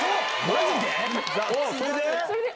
それで？